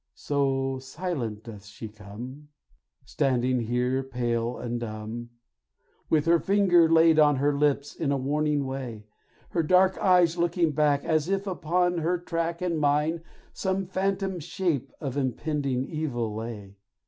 So silent doth she come, Standing here pale and dumb, With her finger laid on her lips in a warning way; Her dark eyes looking back, As if upon her track And mine, some phantom shape of impending evil lay.